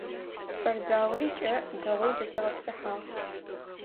Спортзалыри кӏэ, дэгъоу зэтегъэпсыхьагъ.